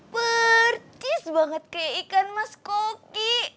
pertis banget kayak ikan mas koki